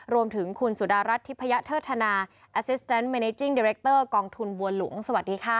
รวมถึงคุณสุดารัฐทิพยเทิดธนาอาซิสแนนเมเนจิ้งเดเรคเตอร์กองทุนบัวหลวงสวัสดีค่ะ